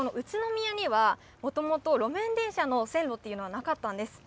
そして、この宇都宮には、もともと路面電車の線路というのはなかったんです。